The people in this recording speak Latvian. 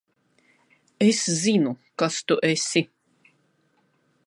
Es zinu, kas tu esi.